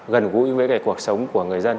gần gũi với cuộc sống của người dân